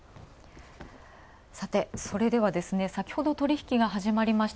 さてそれではさきほど取引が始まりました、